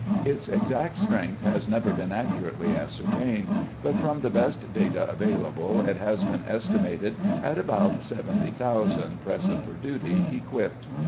Its exact strength has never been accu rately ascertained, but from the best data available it ' has been estimated at about 70,000 present for duty, equipped.